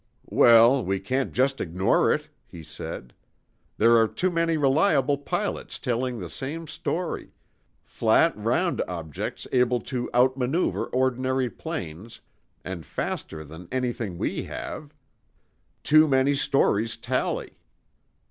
"Well, we can't just ignore it," he said. "There are too many reliable pilots telling the same story—flat, round objects able to outmaneuver ordinary planes, and faster than anything we have. Too many stories tally."